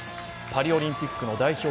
パリオリンピックの代表